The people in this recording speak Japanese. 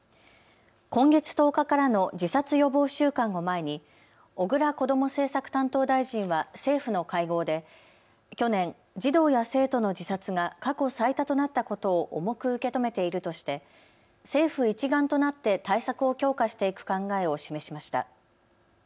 今月１０日からの自殺予防週間を前に小倉こども政策担当大臣は政府の会合で去年、児童や生徒の自殺が過去最多となったことを重く受け止めているとして政府一丸となって対策を強化していく考えを示しました。